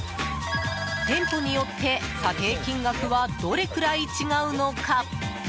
店舗によって査定金額はどれくらい違うのか。